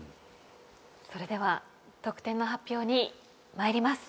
それでは得点の発表に参ります。